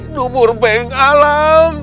nubur beng alam